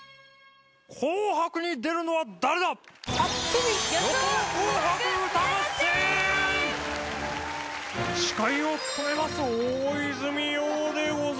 『紅白』に出るのは誰だ⁉司会を務めます大泉洋でございます。